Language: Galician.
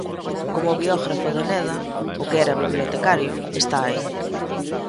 Como o biógrafo de Neda, o que era bibliotecario, está aí.